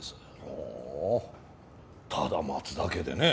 ほおただ待つだけでね。